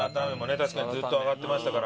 確かにずっと挙がってましたから。